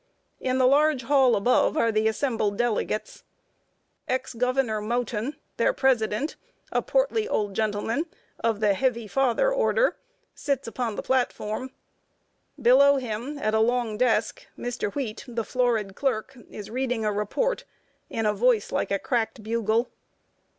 In the large hall above are the assembled delegates. Ex Governor Mouton, their president, a portly old gentleman, of the heavy father order, sits upon the platform. Below him, at a long desk, Mr. Wheat, the florid clerk, is reading a report in a voice like a cracked bugle.